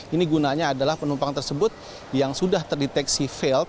ini gunanya adalah penumpang tersebut yang sudah terdeteksi faild